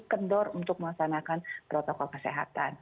kendor untuk melaksanakan protokol kesehatan